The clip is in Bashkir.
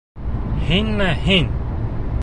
Һинме, һин!